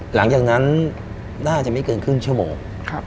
หลังจากนั้นน่าจะไม่เกินครึ่งชั่วโมง